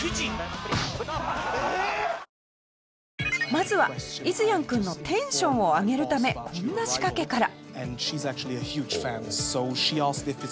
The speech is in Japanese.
まずはイズヤン君のテンションを上げるためこんな仕掛けから。